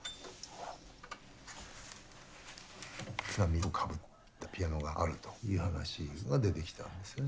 波をかぶったピアノがあるという話が出てきたんですね。